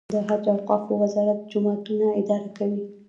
د حج او اوقافو وزارت جوماتونه اداره کوي